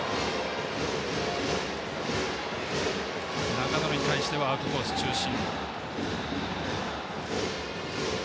中野に対してはアウトコース中心。